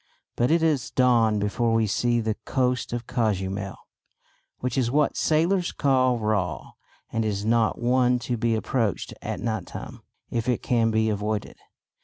But it is dawn before we see the coast of Cozumel, which is what sailors call "raw" and is not one to be approached at night time if it can be avoided.